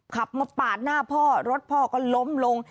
ขับมาปาดหน้าพ่อรถพ่อก็ล้มลง